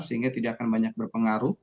sehingga tidak akan banyak berpengaruh